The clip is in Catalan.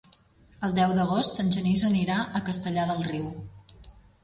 El deu d'agost en Genís anirà a Castellar del Riu.